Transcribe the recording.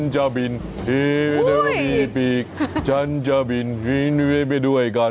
ไฟล์บอร์ด